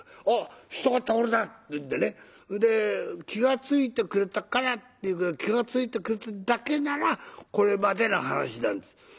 「あっ人が倒れた！」っていうんでねで気が付いてくれたからっていうけど気が付いてくれただけならこれまでの話なんです。